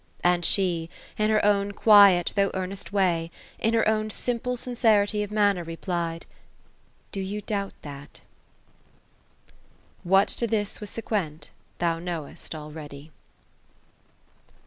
And she, in her own quiet, though earnest way, in her own simple sincerity of manner, replied: —'^ Do you doubt thatV' ^ What to this was sequent thou knoVst already."